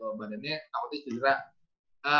badan badannya takutnya tidak